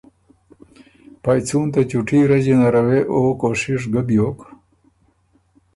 پئ څُون ته چُوټي رݫی نره وې او کوشِش ګه بیوک